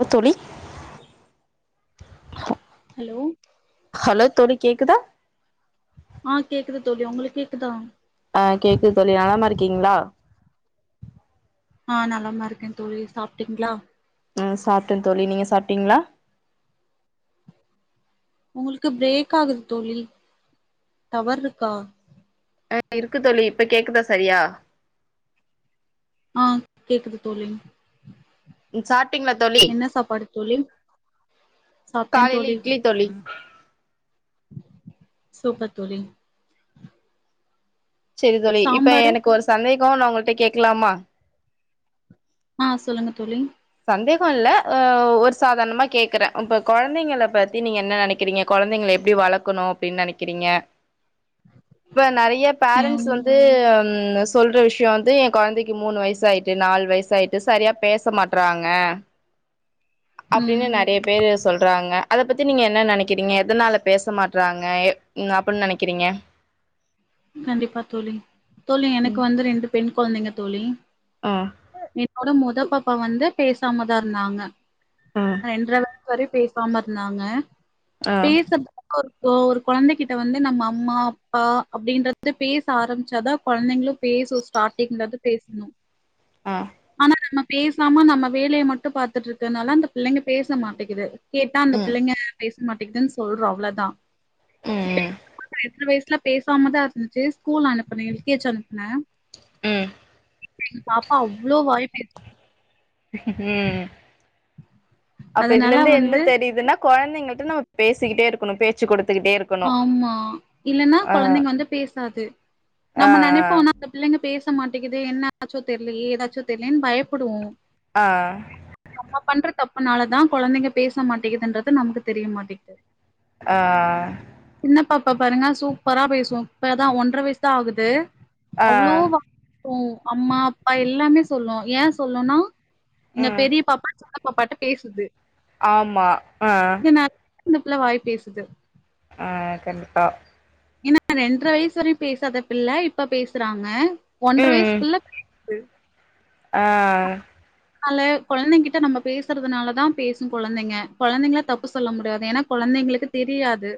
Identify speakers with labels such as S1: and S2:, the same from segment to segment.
S1: Low தோழி
S2: hello
S1: hello தோழி கேக்குதா
S2: ஆ கேக்குது தோழி உங்களுக்கு கேக்குதா
S1: ஆ கேக்குது தோழி நலமா இருக்கிங்ளா
S2: ஆ நலமா இருக்கே தோழி சாப்ட்டிங்ளா
S1: அ சாப்ட்டே தோழி நீங்க சாப்ட்டிங்ளா
S2: உங்குளுக்கு பிரேக் ஆகுது தோழி டவர் இருக்கா
S1: ஆ இருக்கு தோழி இப்ப கேக்குதா சரியா
S2: ஆ கேக்குது தோழி
S1: சாப்ட்டிங்ளா தோழி
S2: என்ன சாப்பாடு தோழி சாப்ட்டே
S1: காலைல
S2: தோழி
S1: இட்லி தோழி
S2: சூப்பர் தோழி
S1: செரி தோழி இப்ப
S2: சாம்பாரு
S1: எனக்கு ஒரு சந்தேக நா உங்கள்ட்ட கேக்லாமா
S2: ஆ சொல்லுங்க தோழி
S1: சந்தேக இல்ல அ ஒரு சாதாரணமா கேக்கற இப்ப கொழந்தைங்கள பத்தி நீங்க என்ன நெனைக்கிறிங்க குழந்தைங்கள எப்படி வளக்கணு அப்டின் நெனைக்கிறிங்க இப்ப நெறைய பேரண்ட்ஸ்
S2: ம்
S1: வந்து நா சொல்ற விஷய வந்து எ கொழந்தைக்கு மூணு வயசு ஆயிட்டு நாலு வயசாயிட்டு சரியா பேச மாட் றாங்க
S2: ம்
S1: அப்டினு நெறைய பேரு சொல்றாங்க அத பத்தி நீங்க என்ன நெனைக்கிறிங்க எதனால பேச மாட்றாங்க எ அப்டின் நெனைக்கிறிங்க
S2: கண்டிப்பா தோழி தோழி எனக்கு
S1: ம்
S2: வந்து ரெண்டு பெண் குழந்தைங்க தோழி
S1: ஆ
S2: என்னோட மொத பாப் பா வந்து பேசாமதா இருந்தாங்க
S1: ஆ
S2: ரெண்ட்ற வயுசு வரையு பேச கோவமா இருந்தாங்க
S1: ஆ
S2: பேச இப்போ ஒரு கொழந்தகிட்ட வந்து நம்ம அம்மா அப்பா அப்டின்றது பேச ஆரம்ச்சாதா கொழந்தைங்களு பேசு ஸ்டார்ட்டிங்லருந்து பேசனு
S1: ஆஹ்
S2: பேசாம நம்ம வேலைய மட்டு பாத்துட்ருக்கனால அந்தப் பிள்ளைங்க பேச மாட்டிக்குது கேட்டா அந்த
S1: ம்
S2: பிள்ளைங்க பேச மாட்டிக்குதுன் சொல்றோ அவ்ளதா
S1: உம்
S2: சின்ன வயசுல பேசாமதா இருந்துச்சு ஸ்கூல் அனுப்புனே எல் கே ஜ் அனுப்புனே
S1: உம்
S2: இப்ப எங்க பாப்பா அவ்ளோ வாய் பேசு
S1: உம் அப்ப இதுல
S2: அதனால
S1: இருந்து என்ன
S2: வந்து
S1: தெரிய்துனா கொழந்தைங்கள்ட்ட நம்ம பேசிக்கிட்டே இருக்கனு பேச்சு குடுத்
S2: ஆமா இல்லனா
S1: ஆ
S2: கொழந்தைங்க வந்து பேசாது
S1: ஆ
S2: நம்ம நெனைப்போ ஆனா அந்த பிள்ளைங்க பேச மாட்டிக்கிதே என்னாச்சோ தெர்லயே ஏதாச்சோ தெர்லயேன் பயப்புடுவோ
S1: ஆஹ்
S2: நா பண்ற தப்புனாலதா கொழந்தைங்க பேச மாட்டிக்குதுன்றது நமக்கு தெரிய மாட்டிங்குது
S1: ஆஹ் அஹ்
S2: இப்பப்ப பாருங்க சூப்பரா பேசு இப்பதா ஒன்றர வயசு தா ஆகுது
S1: ஆ
S2: அவ்ளோ வாய் உ அம்மா அப்பா எல்லாமே சொல்லு ஏ சொல்லுனா எங்க
S1: ம்
S2: பெரிய பாப்பா சின்னப் பாப்பாட்ட பேசுது
S1: ஆமா ஆஹ்
S2: இந்தபுள்ள வாய் பேசுது
S1: ஆஹ் கண்டிப்பா
S2: ஏனா ரெண்ரவயசு வரையு பேசாத பிள்ள இப்ப பேசுறாங்க ஒன்ர வயசுக்குள்ள உம்
S1: ஆஹ்
S2: னால கொழந்தைங்கிட்ட நம்ம பேசுறதுனாலதா பேசு கொழந்தைங்க கொழந்தைங்ள தப்பு சொல்ல முடியாது ஏனா கொழந்தைங்களுக்கு தெரியாது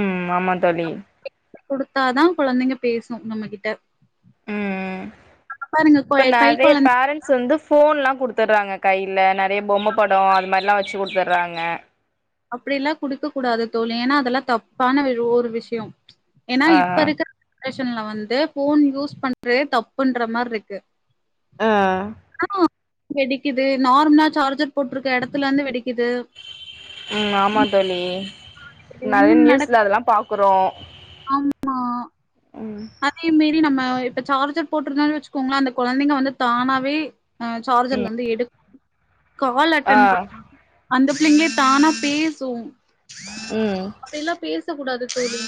S1: ம் ஆமா தோழி
S2: குடுத்தாதா கொழந்தைங்க பேசு நம்மகிட்ட
S1: உம் உம் ம்
S2: கொ
S1: இப்ப
S2: கை
S1: நெறைய
S2: கொழந்த
S1: பேரண்ட்ஸ் வந்து ஃபோன்லா குடுத்துற்றாங்க கைல நெறைய பொம்ம படோ அது மார்லா வச்சு குடுத்துற்றாங்க
S2: அப்டிலா குடுக்ககூடாது தோழி ஏனா அதெல்லா தப்பான விரு ஒரு விஷ்யோ ஏனா
S1: ஆ
S2: இப்ப இருக்க ன்ரேஷன்ல வந்து ஃபோன் யூஸ் பண்றதே தப்புன்ற மார்ருக்கு
S1: ஆ
S2: ஆனா வெடிக்குது நார்மலா சார்ஜர் போட்டிருக்க எடத்துல இருந்து வெடிக்குது
S1: ம் ஆமா தோழி நறைய நியூஸ்ல அதெல்லா பாக்குறோ
S2: ஆமா
S1: ம்
S2: அதையு மீறி நம்ம அ இப்ப சார்ஜர் போட்டுருந்தன்னு வச்சுக்கோங்கள அந்த கொழந்தைங்க வந்து தானாவே அ சார்ஜர்ல
S1: ம்
S2: இருந்து எடுக் கால்
S1: ஆ
S2: அட்டென் பண்ணு அந்த பிள்ளைங்கே தானா பேசும்
S1: ம்
S2: அப்டி எல்லா பே ச கூடாது தோழி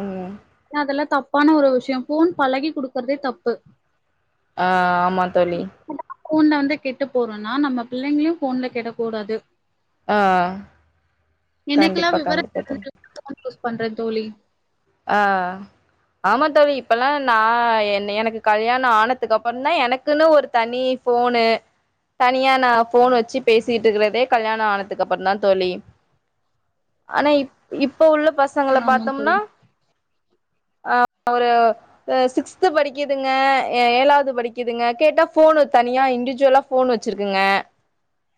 S1: ம்
S2: ஏன்னா அதெல்லா தப்பான ஒரு விஷயோ ஃபோன் பழகி குடுக்குறதே தப்பு
S1: ஆ ஆமா தோழி
S2: ஃபோன்ல வந்து கெட்டு போறோன்னா நம்ம பிள்ளைங்களையு ஃபோன்ல கெடக்கூடாது
S1: ஆ
S2: எனக்கெல்லா
S1: கண்டிப்பா
S2: விவரோ
S1: கண்டிப்பா தோழி
S2: தெரிஞ்சதுக்கு ஃபோன் யூஸ் பண்றே தோழி
S1: ஆ ஆமா தோழி, இப்பல்லா நா என் எனக்கு கல்யாண ஆனதுக்கு அப்பறந்தா எனக்குன்னு ஒரு தனி ஃபோனு தனியா நா ஃபோன் வச்சு பேசிட்டு இருக்கிறதே கல்யாணம் ஆனதுக்கு அப்பறந்தா தோழி ஆனா இப் இப் இப்ப உள்ள பசங்கள
S2: ஆமா
S1: பாத்தோம்னா
S2: தோழி
S1: ஆ, ஒரு அ சிக்ஸ்து படிக்கதுங்க எ ஏழாவது படிக்குதுங்க கேட்டா ஃபோன் தனியா இண்டிவிஜுவலா ஃபோன் வச்சிருக்குங்க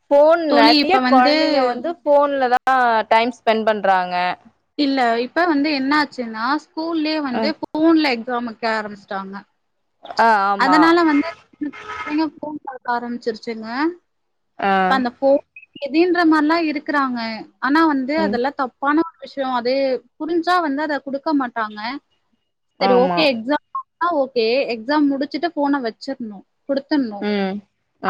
S1: ஃபோன்
S2: தோழி
S1: நெறைய
S2: இப்ப வந்து
S1: கொழந்தைங்க வந்து ஃபோன்லதா தா டைம் ஸ்பென் பண்றாங்க
S2: இல்ல இப்ப வந்து என்ன ஆச்சுன்னா ஸ்கூல்லே வந்து
S1: ம்
S2: ஃபோன்ல எக்ஸாம் வைக்க ஆரம்பிச்சிட்டாங்க
S1: ஆ ஆமா
S2: அதனால வந்து இந்த பிள்ளங்க ஃபோன் பாக் க ஆரம்பிச்சிருச்சுங்க
S1: ஆ
S2: இப்ப அந்த ஃபோ கொதின்ற மாரிலா இருக்றாங்க ஆனா வந்து
S1: ம்
S2: அதெல்லா தப்பான விஷயோ அது புரிஞ்சா வந்து அதை குடுக்க மாட்டாங்க சரி
S1: ஆமா
S2: ஓகே எக்ஸாம் னா ஓகே எக்ஸாம் முடிச் சுட்டு ஃபோன வச்சிட்ணு
S1: ம்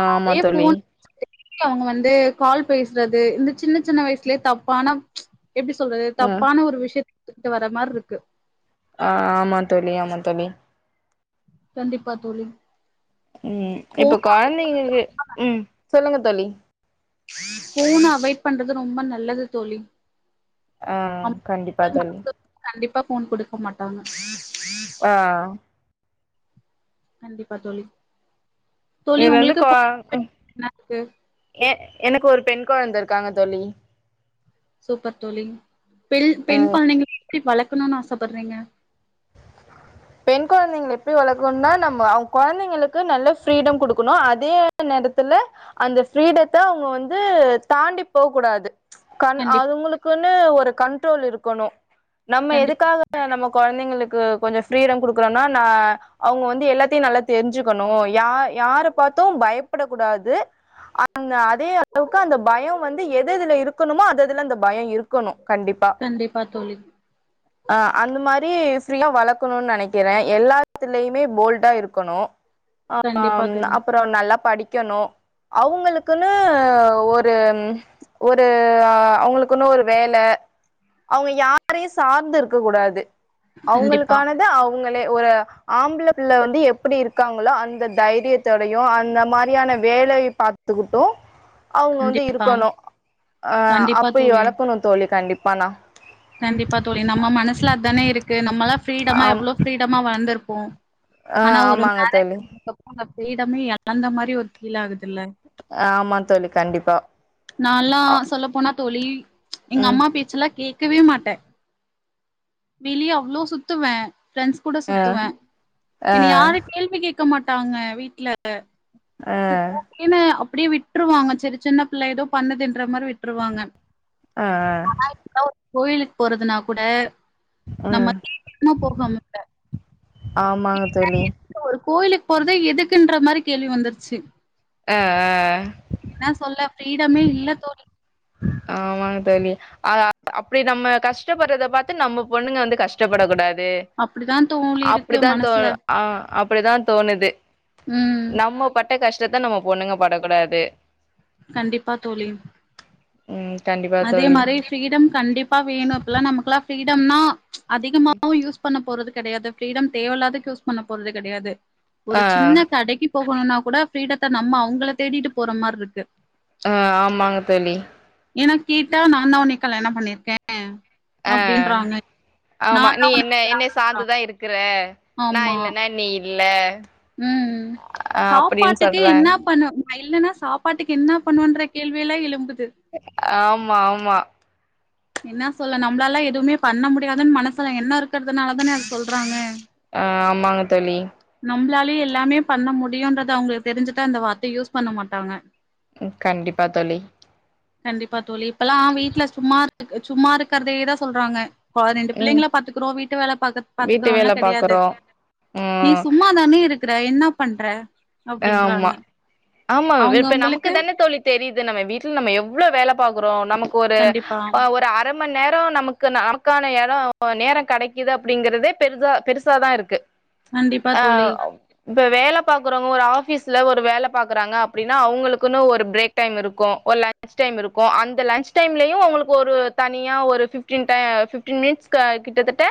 S1: ஆமா தோழி
S2: போன் வச்சுட்டு அவங்க வந்து கால் பேசுறது இந்த சின்ன சின்ன வயசுலயே தப்பான எப்படி சொல்றது
S1: ம்
S2: தப்பான ஒரு விஷயத் ட்டு வர மாரி இருக்கு
S1: ஆஹ் ஆமா தோழி ஆமா தோழி
S2: கண்டிப்பா தோழி
S1: உம் இப்ப
S2: போன அவாய்ட்
S1: குழந்தைங்க
S2: பண்
S1: உம் சொல்லுங்க தோழி
S2: போனு அவாய்ட் பண்றது ரொம்ப நல்லது தோழி
S1: ஆஹ் கண்டிப்பா தோழி
S2: அப்ப போன் கொடுக்க மாட்டாங்க
S1: ஆஹ்
S2: கண்டிப்பா தோழி தோழி
S1: இது வந்து
S2: உங்களுக்கு
S1: கோ
S2: என்ன இருக்கு
S1: ஏ எனக்கு ஒரு பெண் குழந்தருக்காங்க தோழி
S2: சூப்பர் தோழி பெண்
S1: அ
S2: பெண் கொழந்தைங்க எப்படி வளர்க்கணும்னு ஆசப்படுறீங்க
S1: பெண் குழந்தைங்க எப்படி வளர்க்கணும்னா நம்ம அவங்க குழந்தைங்களுக்கு நல்ல ப்ரீடம் கொடுக்கணும் அதே நேரத்துல அந்த ஃப்ரீடத்த அவங்க வந்து தாண்டி போக கூடாது கண்
S2: கண்டிப்
S1: அதுங்களுக்குன்னு ஒரு கண் ட்ரோல் இருக்கணும் நம்ம
S2: கண்டிப்
S1: எதுக்காக நம்ம குழந்தைங்களுக் கொஞ்ச ஃப்ரீடம் கொடுக்கரோனா ந அவங்க வந்து எல்லாத்தையும் நல்லா தெரிஞ்சுக்கணும் யா யார் பாத்தும் பயப்படக்க கூடாது அந்த அதே அளவுக்கு அந்த பயம் வந்து எது எதுல இருக்கணுமோ அது அதுல அந்த பயம் இரு கணும் கண்டிப்பா
S2: கண்டிப்பா தோழி
S1: ஆஹ் அந்த மாதிரி ஃப்ரீயா வளர்க இருக்கணும்னு நினைக்கிற எல்லாத்துலயுமே போல்டா இருக்கணும்
S2: கண்டிப்பா
S1: ஆஹ்
S2: தோழி
S1: அப்புறம் நல்லா படி படிக்கணும் அவங்களுக்குன்னு ஒரு ஒரு அவங்களுக்குன்னு ஒரு வேல அவங்க யாரையும் சார்ந்து இருக்க கூடாது
S2: கண்டிப்பா
S1: அவங்களே ஒரு ஆம்பள பிள்ள வந்து எப்படி இருக்காங்களோ அந்த தைரியத்தோடையும் அந்த மாதிரியான வேலை பார்த்துக்கிட்டும் அவங்க வந்து
S2: கண்டிப்பா
S1: இருக்கணும் ஆஹ்
S2: கண்டிப்பா
S1: அப்படி
S2: தோழி
S1: வளர்க்கணும் தோழி கண்டிப் பன
S2: கண்டிப்பா தோழி நம்ம மனசுல அதானே இருக்கு நம்மலாம் ஃப்ரீடமா
S1: ஆம்
S2: எவ்ளோ ஃப்ரீடமா வளந்து இருக்கு ஆஹ
S1: ஆ
S2: ஆனா ஒரு
S1: ஆமாங்க தோழி
S2: [inaudible] செய்யிடமே இழந்த மாதிரி ஒரு ஃபீல் ஆகுது
S1: ஆமா தோழி கண்டிப்பா
S2: நால்லா சொல்ல போனா தோழி எங்க
S1: ம்
S2: அம்மா பேச்செல்லா கே க்கவே மாட்டேன் வெளியே அவ்ளோ சுத்துவே பிரண்ட்ஸ் கூட சுத்துவேன்
S1: ஆ
S2: என்னைய யாரு கேள்வி கேட் இருக்க மாட்டாங்க வீட்ல செரி ஓகேன்னு அப் அப்பிடியே விட்ருவாங்க செரி சின்ன பிள்ள ஏதோ பண்ணுதுன்ற மாரி விட்ருவாங்க
S1: ஆ
S2: இப்ப ஒரு கோயிலுக்கு போறதுனா கூட
S1: ம்
S2: நம்ம போகம்ல
S1: ஆமாங்க தோழி
S2: கோயிலுக்கு போறதே எதுக்குன்ற மாரி கேள்வி வந்துருச்சு
S1: ஆ ஆ
S2: என்ன சொல்ல ஃபிரீடமே இல்ல தோழி
S1: ஆமாங்க தோழி அ அப்படி நம்ம கஷ்டப்படுறத பாத்து நம்ம பொண்ணுங்க வந்து கஷ்டப்படக் கூடாது
S2: அப்டிதான் தோழி இருக்கு
S1: அப்டித்தா தோ
S2: மனசுல.
S1: ஆ அப் படிதா தோணுது
S2: ம்
S1: ட கஷ்டத்த நம்ம பொண்ணுங்க படக்கூடாது
S2: கண்டிப்பா தோழி
S1: ம் கண்டிப்பா
S2: அதே
S1: தோழி
S2: மாரி ஃப்ரீடம் கண்டிப்பா வேணு அப்பல்லா நமக்குலா ஃப்ரீடம்னா அதிகமாவு யூஸ் பண்ண போறது கெடையாது ஃப்ரீடம் தேவையில்லாததுக்கு யூஸ் பண்ண போறது கெடையாது ஒரு
S1: ஆ
S2: சின்ன கடைக்கு போகணுனா கூட ஃப்ரீடத்த நம்ம அவங்கள தேடிட்டு போற மார் இருக்கு
S1: ஆ ஆமாங்க தோழி
S2: ஏனா கேட்டா நாந்தா உன்னைய கல்யாணம் பண்ணிருக்கே
S1: ஆ
S2: அப்டின்றாங்க
S1: ஆமா
S2: நாந்தா
S1: நீ
S2: உனக்கு
S1: என்ன என்னய சாந்துதா இருக்கற க நா
S2: ஆமா
S1: இல்லனா நீ இ இல்ல
S2: ம், ம்
S1: அப்டின்னு
S2: சாப்பாட்டுக்கே
S1: சொல்றாங்க
S2: என்னா பண்ணுவ நா இல்லன்னா சாப்பாட்டுக்கு என்னா பண்ணுவன்ற கேள்வி எல்லா எழும்புது
S1: ஆம் ம்மா ஆமா
S2: என்னா சொல்ல நம்மளால்லா எதுவுமே பண்ண முடியாதுன்னு மனசுல எண்ண இருக்கற்துனால தானே அப்டி சொல்றாங்க
S1: அ ஆமாங்க தோழி
S2: நம்பளாலே எல்லாமே பண்ண முடியும்ன்றது அவங்களுக்கு தெரிஞ்சுட்டா இந்த வார்த்தைய யூஸ் பண்ண மாட்டாங்க
S1: ம் கண்டிப்பா தோழி
S2: கண்டிப்பா தோழி இப்பெல்லா வீட்ல சும்மார் சும்மா இருக்கற்தேதா சொல்றாங்க இப்போ ரெண்டு
S1: ம்
S2: பிள்ளைங்கள பாத்துக்குறோ வீட்டு வேலை பாகத்
S1: வீட்டு
S2: பாத்துக்றோன்லா
S1: வேல
S2: கெடையாது
S1: பாக்குறோ
S2: நீ
S1: ம்
S2: சும்மாதானே இருக் க்ற என்ன பண்ற
S1: அ ஆம்மா
S2: அப்டின்றாங்க
S1: ஆமா இப்ப நமக்கு
S2: அவங்கவுங்களுக்கு
S1: தானே தோழி தெரியுது நம்ம வீட்ல நம்ம எவ்ளோ வேல பாக் க்றோ நமக்கு ஒரு
S2: கண்டிப்பா
S1: ஒரு அர மண்நேரம் நமக் க்குனு அதற்கான எட நேரம் கெடைக்குது அப்படிங்கறதே பெரிதா பெருசாதா இருக்கு
S2: கண்டிப்பா
S1: ஆ
S2: தோழி
S1: இப்ப வேல பாக்குறோங் ஒரு ஆபீஸ்ல ஒரு வேல பாக்குறாங்க அப்டின்னா அவங்களுக்குன்னு ஒரு பிரேக் டைம் இருக்கு ஒரு லஞ்ச் டைம் இருக்கு அந்த லஞ்ச் டைம்லயு அவங்களுக்கு ஒரு தனியா ஒரு ஃபிப்டீன் டய ஃபிப்டீன் மினிட்ஸ்கு கிட்டத்தட்ட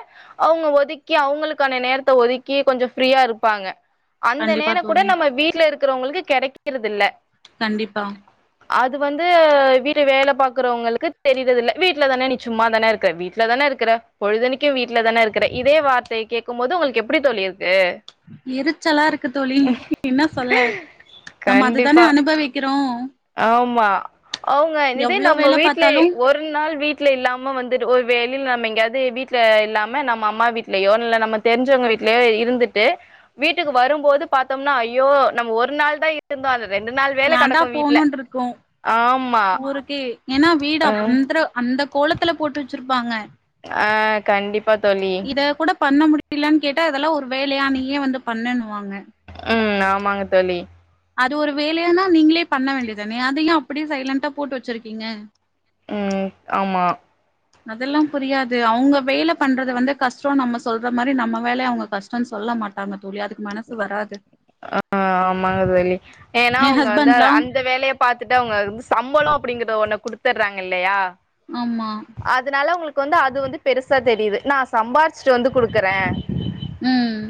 S1: அவங்க ஒதுக்கி அவங்களுக்கான நேரத்த ஒதுக்கி கொஞ்ச ஃப்ரீயா இருப்பாங்க அந்த
S2: கண்டிப்பா
S1: நேரம் குட
S2: தோழி
S1: நம்ம வீட்ல இருக் க்றவங்களுக்கு கெடைக்கிறது இல்ல
S2: கண்டிப்பா
S1: அது வந்து வீட்டு வேல பாக்குறவங்களுக்கு தெரியறதில்ல வீட்ல தான நீ சும்மா தான இருக்கற வீட்டுல தானே இருக்கற பொழுதனைக்கு வீட்ல தான இருக்கற இதே வார்த்தையை கேட்கு போது உங்களுக்கு எப்டி தோழி இருக்கு
S2: எரிச்சலா இருக்கு தோழி ம் என்ன சொல்ல நம்ம அதுதானே அனுபவிக்க க்றோ
S1: ஆம்மா அவங்க இதே
S2: எவ்ளோ
S1: நம்ம
S2: வேல
S1: வீட்லே
S2: பாத்தாலு
S1: ஒரு நாள் வீட்ல இல்லாம வந்துட்டு ஒரு வே வெளில நம்ம எங்கயாது வீட்டுல இல்லாம நம்ம அம்மா வீடலயோ இல்ல நம்ம தெரிஞ்சவங்க வீட்லயோ இருந்துட்டு வீட்டுக்கு வரும்போது பாத்தோம்னா ஐயோ நம்ம ஒரு நாள் தான் இருந்தோ அந்த ரெண்டு நாள் வேல கெடக்கு வீட்
S2: போனோன்றுக்கு ஊருக்கே ஏன்னா வீடு அப்
S1: ம்
S2: அந்திர அந்த கோலத்துல போட்டு வச்சிருப் பாங்க
S1: ஆ கண்டிப்பா தோழி
S2: இத கூட பண்ண முடிலன்னு கேட்டா இதெல்லா ஒரு வேலயா நீயே வந்து பண்ணுன்னுவாங்க
S1: ம் ஆமாங்க தோழி
S2: அது ஒரு வேலயான்னா நீங்களே பண்ண வேண்டிதுதானே அத ஏ அப்டியே சைலன்ண்டா போட்டு வச்சிருக்கீங்க
S1: ம் ஆமா
S2: அதெல்லா புரியாது அவுங்க வேல பண்றது வந்து கஷ்டோ நம்ம சொல்ற மாரி நம்ம வேலய அவுங்க கஷ்டோனு சொல்ல மாட்டாங்க தோழி அதுக்கு மனசு வராது
S1: ஆஹ் ஆமாங்க சொல்லி ஏன்னா ஆமாங்க தோழி
S2: என்
S1: அவங்க வந்து
S2: ஹஸ்பண்ட்லா
S1: அந்த வேலையை பார்த்துட்டு அவங்க வந்து சம்பளம் அப்படிங்கறத ஒண்ண குடுத்துறாங்க இல்லையா
S2: ஆமா
S1: அதுனால ஒங்களுக் கு வந்து அது வந்து பெருசா தெரிது நா சம்பாரிச்சுட்டு வந்து குடுக்குறே
S2: ம்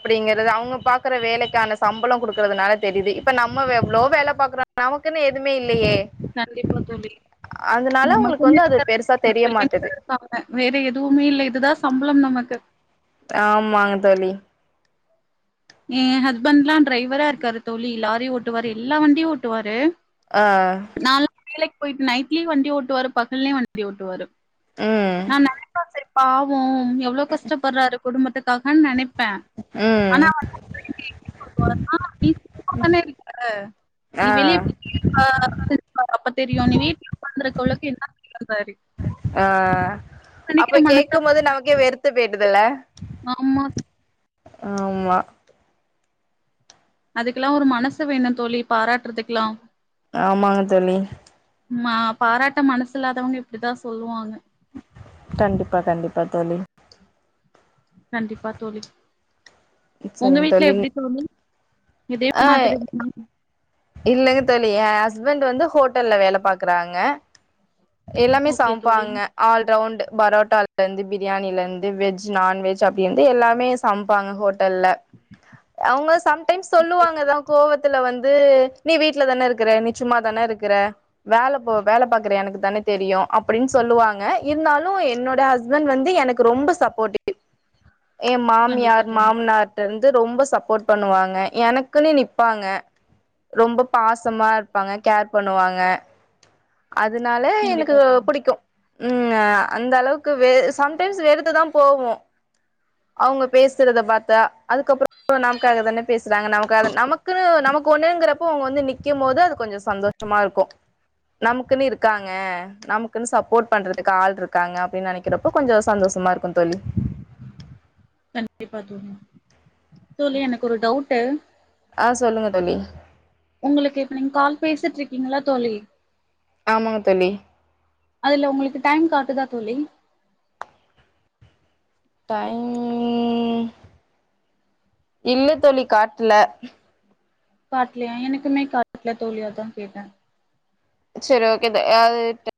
S1: அப்புடிங்க அவுங்க பாக்குற வேலெக்கான சம்பளோ குடுக்குறதுனால தெரிது இப்ப நம்ம வ எவ்ளோ வேல பாக்குறோ நமக்குன்னு எதுமே இல்லயே
S2: கண்டிப்பா தோழி
S1: உங்களுக்கு
S2: நமக்குன்
S1: வந்து அது
S2: இருக்கற
S1: பெருசா
S2: [inaudible]
S1: தெரிய
S2: பிள்ளைங்க தா
S1: மாட்டது
S2: இருப்பாங்க வேற எதுவுமே இல்ல இதுதா சம்பளம் நமக்கு
S1: ஆமாங்க தோழி
S2: ஏ ஹஸ்பண்ட்லா டிரைவரா இருக்காரு தோழி லாரி ஓட்டுவாரு எல்லா வண்டியும் ஓட்டுவாரு
S1: ஆ
S2: போய்ட்டு நைட்லயும் வண்டி ஓட்டுவாரு பகல்லயும் வண்டி ஓட்டுவாரு
S1: ம்
S2: நா [unintelligible] சரி பாவோம் எவ்ளோ கஷ்டப்படுறாரு குடும்பத்துக்காகனு நெனைப்
S1: ம் ஆ
S2: [unintelligible] ஒரளுக்கு என்ன [unintelligible]
S1: ஆ
S2: நெனைக்கிற
S1: அப்ப
S2: மனசு
S1: கேக்கும்
S2: அவருக்கு.
S1: போது நமக்கே வெறுத்து போய்டுதுல
S2: ஆமா
S1: ஆமா
S2: அதுக்கெலா ஒரு மனசு வேணு தோழி பாராட்டுறதுக்கெலா
S1: ஆமாங்க தோழி
S2: மா பாராட்ட மனசு இல்லாதவங்க இப்டிதா சொல்லுவாங்க
S1: கண்டிப்பா கண்டிப்பா தோழி
S2: கண்டிப்பா தோழி உங்க வீட்ல எப்டி தோழி இதே
S1: ஆ
S2: மாதிரி தானா
S1: இல்லங்க தோழி எ ஹஸ்பண்ட் வந்து ஹோட்டல்ல வேல பாக்குறாங்க எல்லாமே
S2: ஓகே தோழி
S1: சமப்பாங்க ஆல்ரவுண்டு பரோட்டால இருந்து பிரியாணில இருந்து வெஜ் நான்வெஜ் அப்டி இருந்து எல்லாமே சமப்பாங்க ஹோ [unintelligible] அவுங்க டைம்
S2: ஓகே
S1: சொல்லுவாங்க தா
S2: தோழி
S1: கோவத்துல வந் ந்து நீ வீட்ல தான இருக்குற நீ சும்மா தான இருக்குற வேல போ வேல பாக்குற எனக்கு தான தெரியு அப்புடின் சொல்லுவாங்க இருந்தாலு என்னோட ஹஸ்பண்ட் வந்து எனக்கு ரொம்ப சப்போர்ட்டிவ் ஏ
S2: கண்டிப்பா
S1: மாமியார்
S2: தோழி
S1: மாம்னார் ட்டருந்து ரொம்ப சப்போர்ட் பண்ணுவாங்க எனக்குன்னு நிப்பாங்க ரொம்ப பாசமா இருப்பாங்க கேர் பண்ணுவாங்க அதனால எனக்கு
S2: கண்டிப்பா தோழி
S1: புடிக்கு ம், அ, அந்த அளவுக்கு வெ சம்டைம்ஸ் வெறுத்துதா போவு அவங்க பேசுறத பாத்தா அதுக்கப் றோ நமக்ககாகதான பேசுறாங்க நமக்காகதான நமக்குன்னு நமக் ங்கறப்ப அவங்க வந்து நிக்கிம்போது அது கொஞ்சோ சந்தோஷமா இருக்கு, நமக்குன்னு இருக்காங்க நமக்குன்னு சப்போர்ட் பண்றதுக்கு ஆள் இருக்காங்க அப்டின்னு நெனைக்கிறப்ப கொஞ்சோ சந்தோஷமா இருக்கு தோழி
S2: கண்டிப்பா தோழி, தோழி எனக்கு ஒரு டவுட்டு
S1: ஆ சொல்லுங்க தோழி
S2: உங்களுக்கு இப்ப நீங்க கால் பேசிட்டு இருக்கீங்கல்ல தோழி
S1: ஆமாங்க தோழி
S2: அதுல உங்களுக்கு டைம் காட்டுதா தோழி
S1: டைம் இல்ல தோழி காட்ல
S2: காட்டலையா எனக்குமே காட்ல தோழி அதா கேட்ட
S1: சேரி ஓகே தோ, அது